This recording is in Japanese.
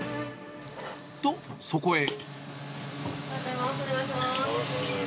と、そこへ。